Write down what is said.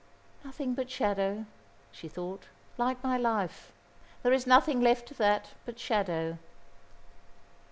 "Nothing but shadow," she thought, "like my life. There is nothing left of that but shadow."